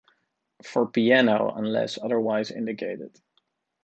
For piano unless otherwise indicated.